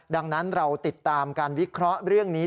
ดังนั้นเราติดตามการวิเคราะห์เรื่องนี้